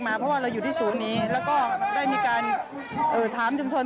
เพราะว่าเราอยู่ที่ศูนย์นี้แล้วก็ได้มีการถามชุมชน